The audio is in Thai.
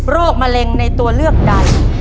มะเร็งในตัวเลือกใด